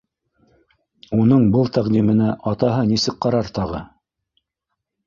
Улының был тәҡдименә атаһы нисек ҡарар тағы?